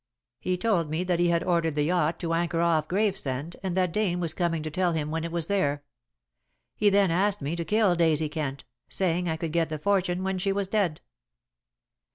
He told me that he had ordered the yacht to anchor off Gravesend and that Dane was coming to tell him when it was there. He then asked me to kill Daisy Kent, saying I could get the fortune when she was dead."